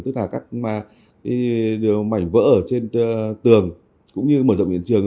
tức là các mảnh vỡ trên tường cũng như mở rộng hiện trường